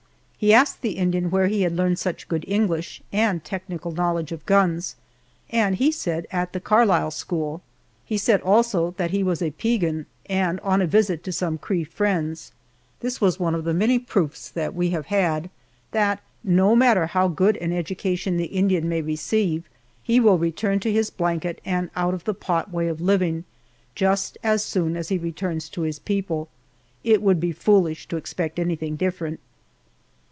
He asked the Indian where he had learned such good English and technical knowledge of guns, and he said at the Carlisle school. He said also that he was a Piegan and on a visit to some Cree friends. This was one of the many proofs that we have had, that no matter how good an education the Indian may receive, he will return to his blanket and out of the pot way of living just as soon as he returns to his people. It would be foolish to expect anything different.